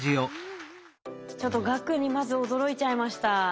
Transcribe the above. ちょっと額にまず驚いちゃいました。